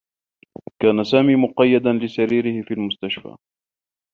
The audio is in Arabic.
كان سامي مقيّدا لسريره في المستشفى.